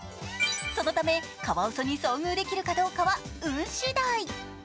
そのためカワウソに遭遇できるかどうかは運しだい。